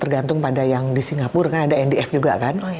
tergantung pada yang di singapura kan ada ndf juga kan